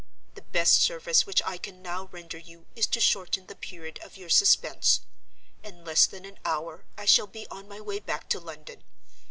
The best service which I can now render you is to shorten the period of your suspense. In less than an hour I shall be on my way back to London.